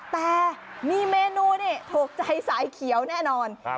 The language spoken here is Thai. แต่มีเมนูนี่ถูกใจสายเขียวแน่นอน